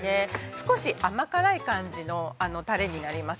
少し甘辛い感じのタレになります。